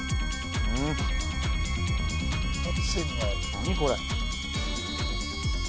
何これ？